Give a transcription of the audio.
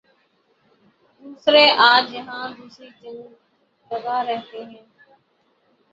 دوسرے آج یہاں دوسری جگہ رہتے ہیں